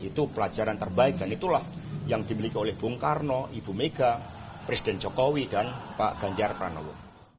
itu pelajaran terbaik dan itulah yang dimiliki oleh bung karno ibu mega presiden jokowi dan pak ganjar pranowo